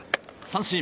三振！